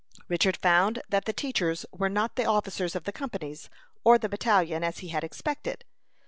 Richard found that the teachers were not the officers of the companies, or the battalion, as he had expected.